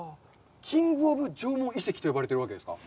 キング・オブ・縄文遺跡と呼ばれてるわけですか？